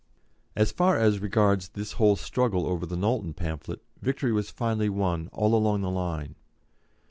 As far as regards this whole struggle over the Knowlton pamphlet, victory was finally won all along the line.